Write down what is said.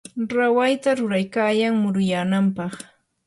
rawayta ruraykayan muruyanampaq.